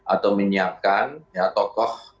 atau menyiapkan tokoh